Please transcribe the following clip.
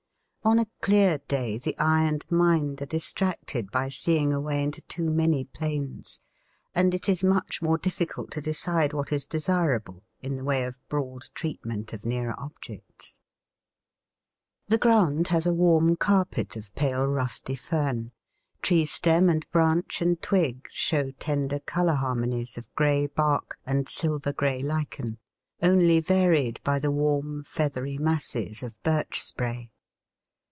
On a clear day the eye and mind are distracted by seeing away into too many planes, and it is much more difficult to decide what is desirable in the way of broad treatment of nearer objects. The ground has a warm carpet of pale rusty fern; tree stem and branch and twig show tender colour harmonies of grey bark and silver grey lichen, only varied by the warm feathery masses of birch spray.